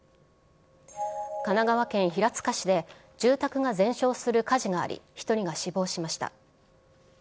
神奈川県平塚市で、住宅が全焼する火事があり、１人が死亡しました。